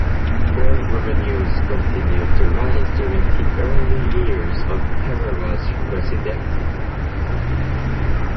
Oil revenues continued to rise during the early years of Herrera's presidency.